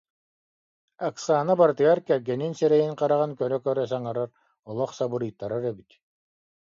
Оксана барытыгар кэргэнин сирэйин-хараҕын көрө-көрө саҥарар, олох сабырыйтарар эбит